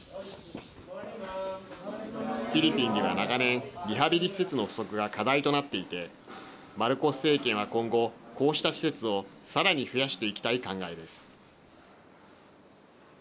フィリピンでは長年リハビリ施設の不足が課題となっていてマルコス政権は今後こうした施設をさらに増やしていきたい考えです。